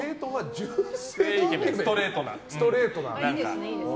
ストレートな。